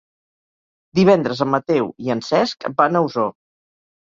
Divendres en Mateu i en Cesc van a Osor.